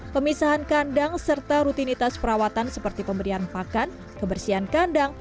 pemisahan kandang serta rutinitas perawatan seperti pemberian pakan kebersihan kandang